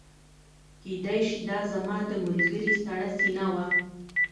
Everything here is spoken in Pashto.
کیدای شي دا زما د ملګري سړه سینه وه